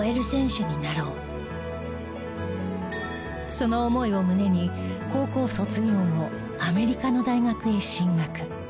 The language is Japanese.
その思いを胸に高校卒業後アメリカの大学へ進学。